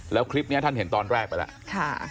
แล้วคลิปนี้ท่านเห็นตอนแรกไปแล้ว